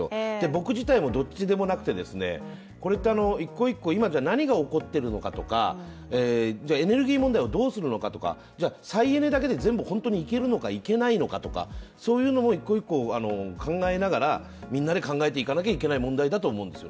僕自体もどっちでもなくてこれって１個１個、今何が起こっているのかとかじゃあエネルギー問題をどうするのかとか再エネだけで全部本当にいけるのかいけないのかとかそういうのも１個１個考えながらみんなで考えていかなきゃいけない問題だと思うんですよ。